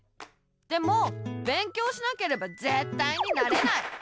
でも勉強しなければぜったいになれない！